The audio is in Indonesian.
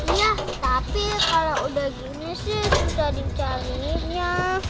iya tapi kalau udah gini sih sudah dicariinnya